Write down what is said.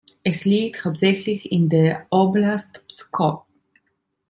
Es liegt hauptsächlich in der Oblast Pskow.